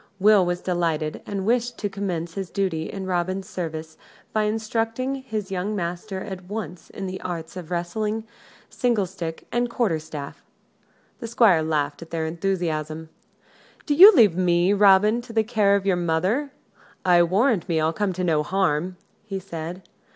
Will was delighted, and wished to commence his duty in Robin's service by instructing his young master at once in the arts of wrestling, single stick, and quarter staff. The Squire laughed at their enthusiasm. "Do you leave me, Robin, to the care of your mother: I warrant me I'll come to no harm!" he said.